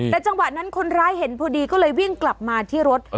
แต่จังหวะนั้นคนร้ายเห็นพอดีก็เลยวิ่งกลับมาที่รถ